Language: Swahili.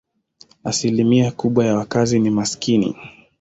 Asilimia kubwa ya wakazi ni maskini.